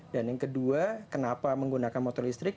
dan yang kedua kenapa menggunakan motor listrik